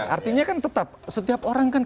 artinya kan tetap setiap orang kan